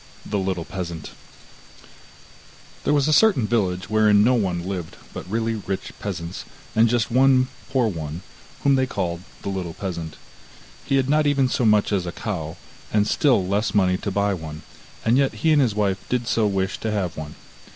THE LITTLE PEASANT There was a certain village wherein no one lived but really rich peasants, and just one poor one, whom they called the little peasant. He had not even so much as a cow, and still less money to buy one, and yet he and his wife did so wish to have one.